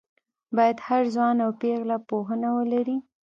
باید هر ځوان او پېغله پوهنه ولري